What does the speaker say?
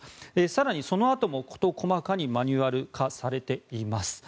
更に、そのあとも事細かにマニュアル化されています。